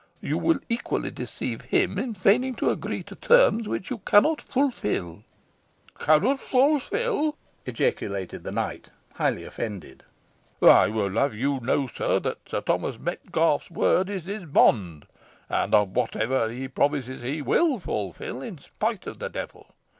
You will equally deceive him in feigning to agree to terms which you cannot fulfil." "Cannot fulfil!" ejaculated the knight, highly offended; "I would have you to know, sir, that Sir Thomas Metcalfe's word is his bond, and that whatsoever he promises he will fulfil in spite of the devil!